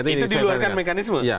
itu di luar mekanisme